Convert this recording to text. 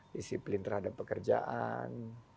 disiplin terhadap pekerjaan